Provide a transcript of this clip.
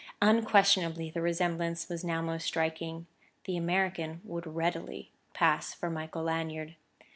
Unquestionably the resemblance was now most striking; the American would readily pass for Michael Lanyard.